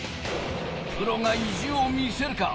プロが意地を見せるか？